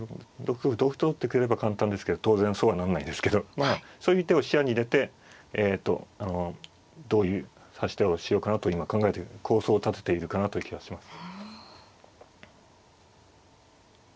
６五同歩と取ってくれれば簡単ですけど当然そうはなんないですけどまあそういう手を視野に入れてどういう指し手をしようかなと今考えている構想を立てているかなという気がします。